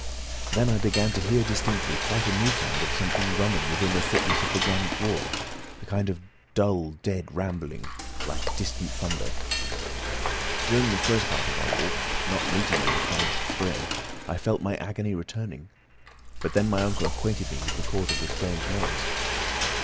Then I began to hear distinctly quite a new sound of something running within the thickness of the granite wall, a kind of dull, dead rumbling, like distant thunder. During the first part of our walk, not meeting with the promised spring, I felt my agony returning; but then my uncle acquainted me with the cause of the strange noise.